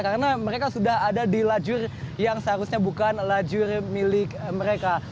karena mereka sudah ada di lajur yang seharusnya bukan lajur milik mereka